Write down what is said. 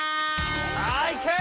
さあいけ！